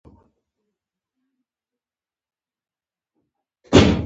د کورنۍ لپاره څه راوړئ؟